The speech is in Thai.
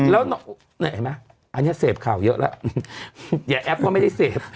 แล้วเห็นไหมอันนี้เสพข่าวเยอะแล้วอย่าแอปก็ไม่ได้เสพ